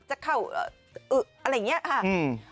จะเข้าอึอะไรอย่างนี้ค่ะ